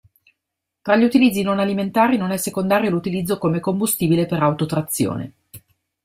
Tra gli utilizzi non alimentari non è secondario l'utilizzo come combustibile per autotrazione.